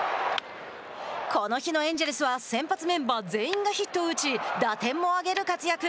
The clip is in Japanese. この日のエンジェルスは先発メンバー全員がヒットを打ち打点も挙げる活躍。